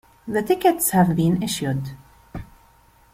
The tickets have been issued.